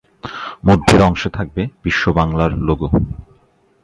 মধ্যের অংশে থাকবে "বিশ্ব বাংলা"র লোগো।